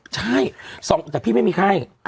ใช่แต่พี่ไม่มีไข้